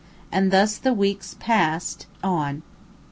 And thus the weeks passed on.